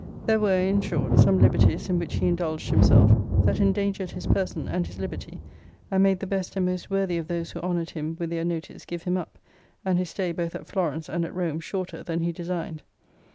There were, in short, some liberties in which he indulged himself, that endangered his person and his liberty; and made the best and most worthy of those who honoured him with their notice give him up, and his stay both at Florence and at Rome shorter than he designed.